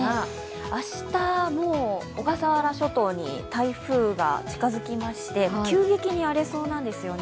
明日もう小笠原諸島に台風が近づきまして、急激にあれそうなんですよね。